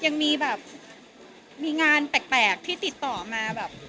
ยังมีแบบมีงานแปลกที่ติดต่อมาแบบ